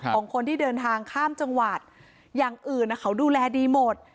ของคนที่เดินทางข้ามจังหวัดอย่างอื่นเขาดูแลดีหมด